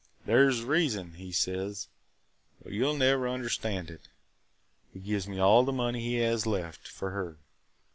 'There 's a reason,' he says, 'but you 'll never understand it.' He gives me all the money he has left – for her.